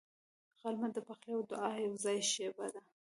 غرمه د پخلي او دعا یوځای شیبه ده